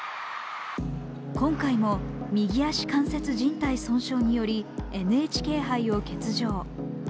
今回も右足関節じん帯損傷によりＮＨＫ杯を欠場。